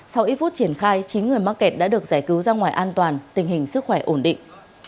sau ít phút triển khai chín người mắc kẹt đã được giải cứu ra ngoài an toàn tình hình sức khỏe ổn định